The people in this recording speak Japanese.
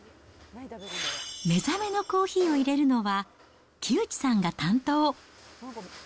目覚めのコーヒーをいれるのは木内さんが担当。